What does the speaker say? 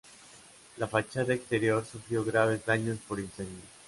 La fachada exterior sufrió graves daños por incendio.